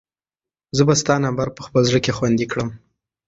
زه به ستا نمبر په خپل زړه کې خوندي کړم.